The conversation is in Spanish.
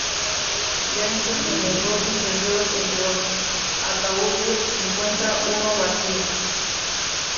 Ya en su tenebroso interior, entre los ataúdes, encuentra uno vacío.